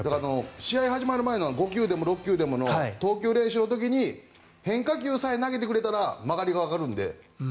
試合始まる前の５球でも６球でもの投球練習の時に変化球さえ投げてくれたら曲がりがわかるので。